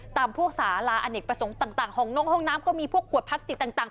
ตามพวกสาลาอเนกประสงค์ต่างห้องนงห้องน้ำก็มีพวกขวดพลาสติกต่าง